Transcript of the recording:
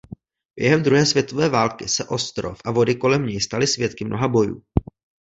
Během druhé světové války se ostrov a vody kolem něj staly svědky mnoha bojů.